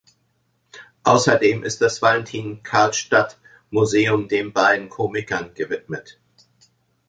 Außerdem ist das Valentin-Karlstadt-Musäum den beiden Komikern gewidmet.